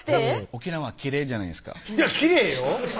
沖縄きれいじゃないですかきれいよ